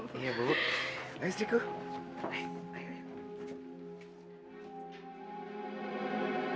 jangan banyak gerak nanti keguguran loh